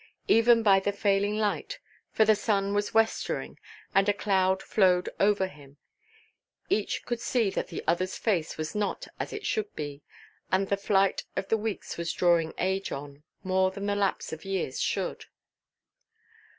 Even by the failing light—for the sun was westering, and a cloud flowed over him—each could see that the otherʼs face was not as it should be, that the flight of weeks was drawing age on, more than the lapse of years should.